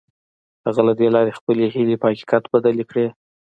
هغه له دې لارې خپلې هيلې په حقيقت بدلې کړې.